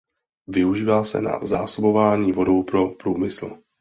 Využívá se na zásobování vodou pro průmysl.